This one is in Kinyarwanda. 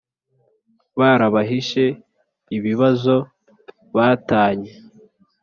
Barabahishe ibibazo ba tanye